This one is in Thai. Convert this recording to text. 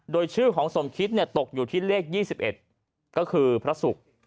โดยชื่อของสมคิตเนี้ยตกอยู่ที่เลขยี่สิบเอ็ดก็คือพระศุกร